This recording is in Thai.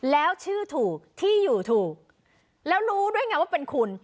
แล้วชื่อถูกที่อยู่ถูกแล้วรู้ด้วยไงว่าเป็นคุณ